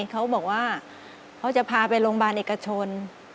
เขาบอกว่าเขาจะพาไปโรงพยาบาลเอกชน